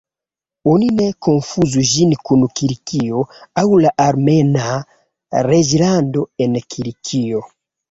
Oni ne konfuzu ĝin kun Kilikio aŭ la Armena reĝlando en Kilikio.